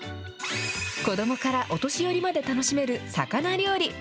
子どもからお年寄りまで楽しめる魚料理。